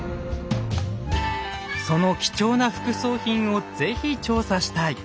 その貴重な副葬品を是非調査したい！